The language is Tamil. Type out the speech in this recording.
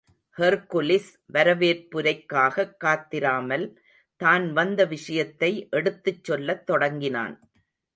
ஹெர்க்குலிஸ், வரவேற்புரைக்காகக் காத்திராமல், தான் வந்த விஷயத்தை எடுத்துச் சொல்லத் தொடங்கினான்.